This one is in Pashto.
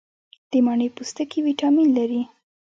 د مڼې پوستکي ویټامین لري.